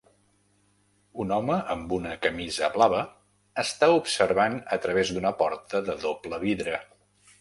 Un home amb una camisa blava està observant a través d'una porta de doble vidre.